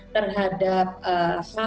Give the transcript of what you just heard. terhadap hak umum